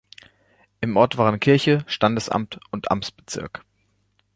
Im Ort waren Kirche, Standesamt und Amtsbezirk.